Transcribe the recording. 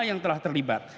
yang telah terlibat